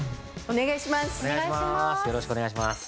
お願いします。